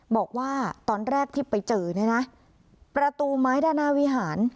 บอกว่าตอนแรกที่ไปเจอเนี่ยนะประตูไม้ด้านหน้าวิหาร